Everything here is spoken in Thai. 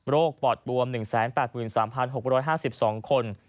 ปอดบวม๑๘๓๖๕๒คน